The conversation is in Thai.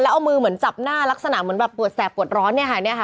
แล้วเอามือเหมือนจับหน้ารักษณะเหมือนแบบปวดแสบปวดร้อนนี่ค่ะ